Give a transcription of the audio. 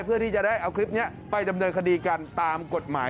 เพื่อที่จะได้เอาคลิปนี้ไปดำเนินคดีกันตามกฎหมาย